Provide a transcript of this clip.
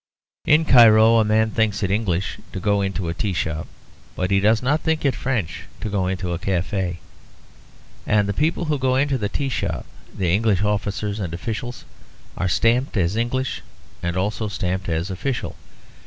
In Cairo a man thinks it English to go into a tea shop; but he does not think it French to go into a cafe. And the people who go to the tea shop, the English officers and officials, are stamped as English and also stamped as official.